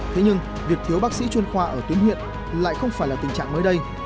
thế nhưng việc thiếu bác sĩ chuyên khoa ở tuyến huyện lại không phải là tình trạng mới đây